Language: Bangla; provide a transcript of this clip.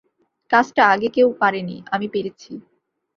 কাজটা আগে কেউ পারেনি, আমি পেরেছি।